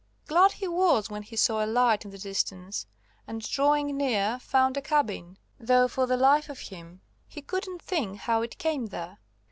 Glad he was when he saw a light in the distance, and drawing near found a cabin, though for the life of him he couldn't think how it came there.